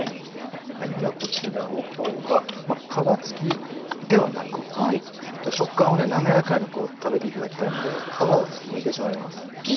ではこちらを今日は皮付きではなく食感を滑らかに食べていただきたいので皮をむいてしまいます。